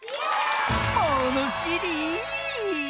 ものしり！